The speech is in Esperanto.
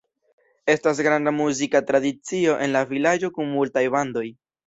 Estas granda muzika tradicio en la vilaĝo kun multaj bandoj.